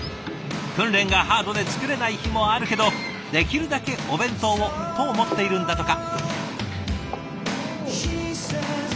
訓練がハードで作れない日もあるけどできるだけお弁当をと思っているんだとか。